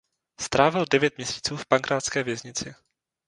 Strávil devět měsíců v pankrácké věznici.